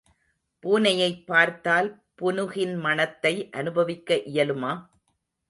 பூனையைப் பார்த்தால் புனுகின் மணத்தை அனுபவிக்க இயலுமா?